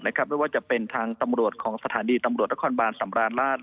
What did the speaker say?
ไม่ว่าจะเป็นทางตำรวจของสถานีตำรวจนครบานสำราญราช